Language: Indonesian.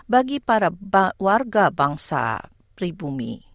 bagi para warga bangsa pribumi